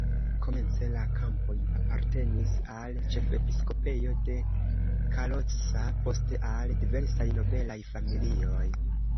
Komence la kampoj apartenis al ĉefepiskopejo de Kalocsa, poste al diversaj nobelaj familioj.